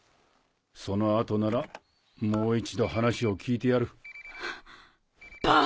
その後ならもう一度話を聞いてやる。